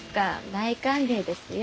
大歓迎ですよ。